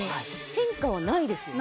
変化はないですよね。